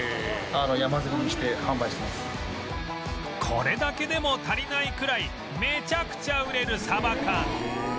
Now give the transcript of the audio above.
これだけでも足りないくらいめちゃくちゃ売れるサバ缶